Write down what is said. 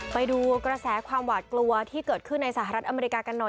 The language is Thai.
ไปดูกระแสความหวาดกลัวที่เกิดขึ้นในสหรัฐอเมริกากันหน่อย